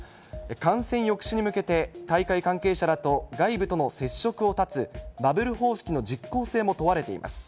感染抑止に向けて、大会関係者らと外部との接触を断つバブル方式の実効性も問われています。